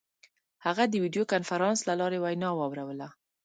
هغه د ویډیو کنفرانس له لارې وینا واوروله.